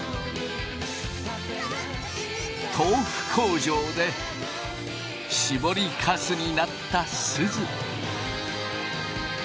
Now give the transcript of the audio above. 豆腐工場でしぼりかすになったすず。